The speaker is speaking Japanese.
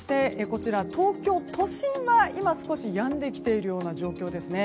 こちら東京都心は今、少しやんできている状況ですね。